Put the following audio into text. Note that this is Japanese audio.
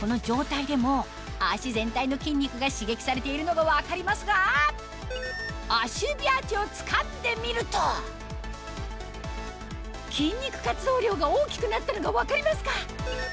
この状態でも足全体の筋肉が刺激されているのが分かりますが足指アーチをつかんでみると筋肉活動量が大きくなったのが分かりますか？